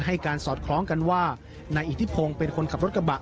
ให้การสอดคล้องกันว่านายอิทธิพงศ์เป็นคนขับรถกระบะ